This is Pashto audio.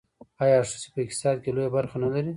آیا ښځې په اقتصاد کې لویه برخه نلري؟